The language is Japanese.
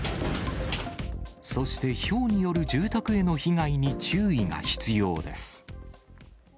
そして、ひょうによる住宅の被害への注意が必要です。